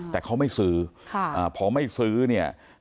แต่เขาไม่ซื้อค่ะอ่าพอไม่ซื้อเนี้ย